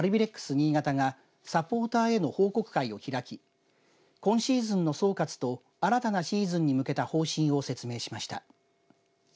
新潟がサポーターへの報告会を開き今シーズンの総括と新たなシーズンに向けた方針を説明しました。